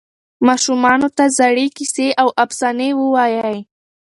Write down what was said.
ماشومانو ته د زړې کیسې او افسانې ووایئ.